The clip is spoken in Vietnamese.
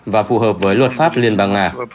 và phù hợp với luật pháp liên bang nga